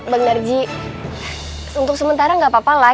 bang darji untuk sementara enggak apa apa lah